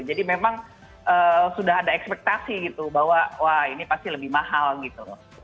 jadi memang sudah ada ekspektasi gitu bahwa wah ini pasti lebih mahal gitu